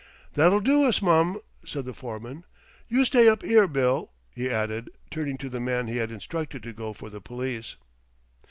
"That'll do us, mum," said the foreman. "You stay up 'ere, Bill," he added, turning to the man he had instructed to go for the police.